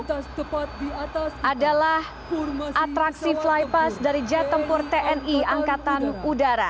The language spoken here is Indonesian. adalah atraksi flypass dari jet tempur tni angkatan udara